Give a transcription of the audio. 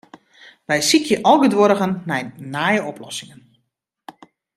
Wy sykje algeduerigen nei nije oplossingen.